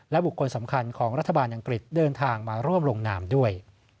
บุคคลสำคัญของรัฐบาลอังกฤษเดินทางมาร่วมลงนามด้วย